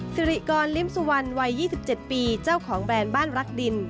สิริกรลิ้มสุวรรณวัย๒๗ปีเจ้าของแบรนด์บ้านรักดิน